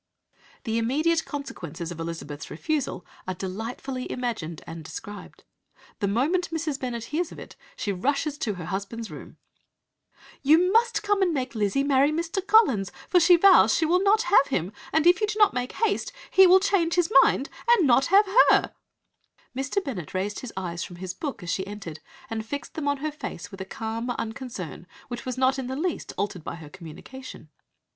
The immediate consequences of Elizabeth's refusal are delightfully imagined and described. The moment Mrs. Bennet hears of it, she rushes to her husband's room "'You must come and make Lizzy marry Mr. Collins, for she vows she will not have him; and if you do not make haste he will change his mind and not have her.' "Mr. Bennet raised his eyes from his book as she entered, and fixed them on her face with a calm unconcern, which was not in the least altered by her communication.